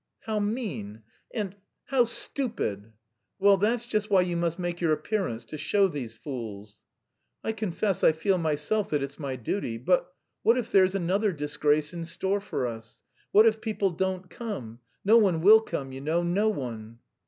"How mean! And... how stupid!" "Well, that's just why you must make your appearance, to show these fools." "I confess I feel myself that it's my duty, but... what if there's another disgrace in store for us? What if people don't come? No one will come, you know, no one!"